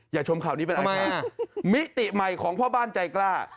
อย่าชมข่าวนี้เป็นอะไรครับมิติใหม่ของพ่อบ้านใจกล้า